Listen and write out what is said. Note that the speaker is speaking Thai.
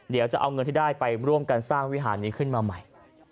เดี๋ยวจะเอาเงินที่ได้ไปร่วมกันสร้างวิหารนี้ขึ้นมาใหม่